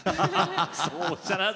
そうおっしゃらず！